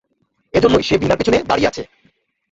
এজন্যই সে ভীনার পিছনে দাঁড়িয়ে আছে।